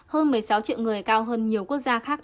hơn một mươi sáu triệu người cao hơn nhiều quốc gia khác